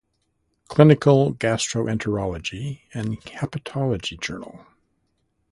Clinical Gastroenterology and Hepatology - Journal